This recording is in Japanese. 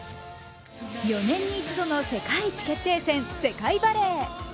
４年に一度の世界一決定戦世界バレー。